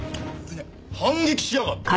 反撃しやがって。